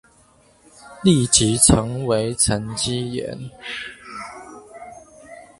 立即成為沈積岩